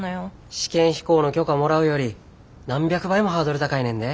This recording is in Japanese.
試験飛行の許可もらうより何百倍もハードル高いねんで。